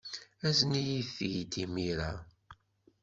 Azen-iyi-t-id imir-a.